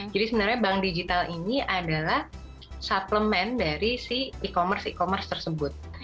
sebenarnya bank digital ini adalah suplemen dari si e commerce e commerce tersebut